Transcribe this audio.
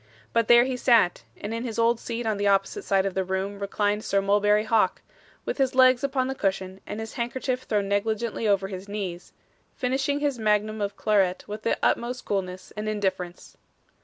But there he sat; and in his old seat on the opposite side of the room reclined Sir Mulberry Hawk, with his legs upon the cushion, and his handkerchief thrown negligently over his knees: finishing his magnum of claret with the utmost coolness and indifference.